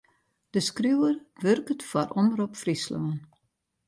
De skriuwer wurket foar Omrop Fryslân.